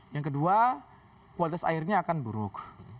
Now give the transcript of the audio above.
yang kedua kualitas airnya akan buruk